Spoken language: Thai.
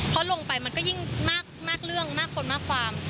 เพราะลงไปมันก็ยิ่งมากเรื่องมากคนมากความ